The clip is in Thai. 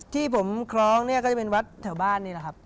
ที่ผมคล้องเนี่ยก็จะเป็นวัดแถวบ้านนี่แหละครับ